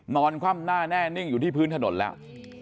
คว่ำหน้าแน่นิ่งอยู่ที่พื้นถนนแล้ว